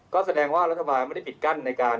ก็แสดงว่ารัฐบาลไม่ได้ปิดกั้นในการ